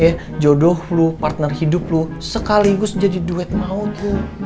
eh jodoh lu partner hidup lu sekaligus jadi duet maut lu